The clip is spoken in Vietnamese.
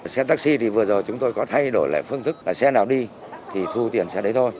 xe taxi thì vừa rồi chúng tôi có thay đổi lại phương thức là xe nào đi thì thu tiền xe đấy thôi